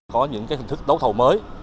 có những hình thức đấu thầu mới